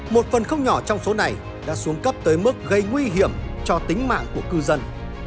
một phần không nhỏ trong số này đã xuống cấp tới mức gây nguy hiểm cho tính mạng của cư dân